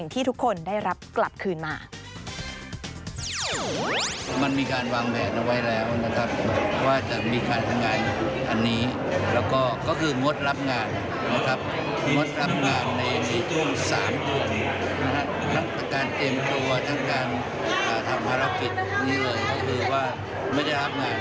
มีคารทำงานอันนี้ก็คืองดรับงานมีการเตรียมตัวทั้งการทำภารกิจก็คือว่าไม่ได้รับงาน